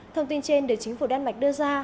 thông tin trên được chính phủ đan mạch đưa ra